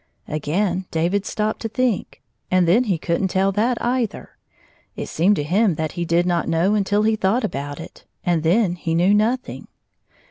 Again David stopped to think, and then he could n't tell that either. It seemed to him that he did know until he thought about it, and then he knew nothing.